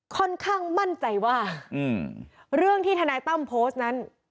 ค่อนข้างมั่นใจว่าเรื่องที่ทนายตั้มโพสต์นั้น